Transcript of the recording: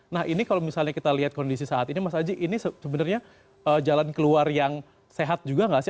nah ini kalau misalnya kita lihat kondisi saat ini mas aji ini sebenarnya jalan keluar yang sehat juga nggak sih